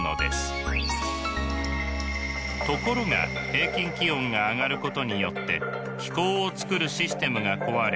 ところが平均気温が上がることによって気候をつくるシステムが壊れ